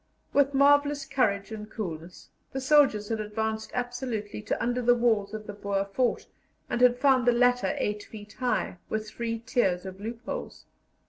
With marvellous courage and coolness, the soldiers had advanced absolutely to under the walls of the Boer fort, and had found the latter 8 feet high, with three tiers of loopholes.